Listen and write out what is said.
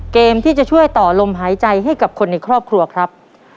เกมที่จะช่วยต่อลมหายใจให้กับคนในครอบครัวครับ